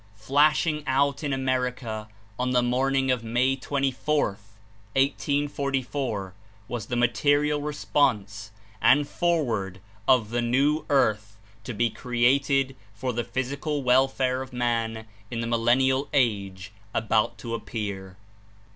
— flashing out in America on the morning of May 24th, 1844, was the material response and foreword of the "new earth" to be created for the physical welfare of man In the mlllenlal age about to appear.